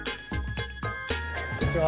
こんにちは。